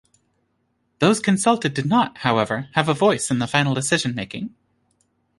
Those consulted did not, however, have a voice in the final decision making.